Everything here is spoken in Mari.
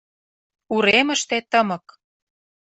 Уремыште тымык.